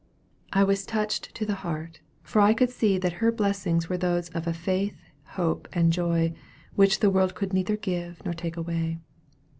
I was touched to the heart; for I could see that her blessings were those of a faith, hope, and joy, which the world could neither give nor take away.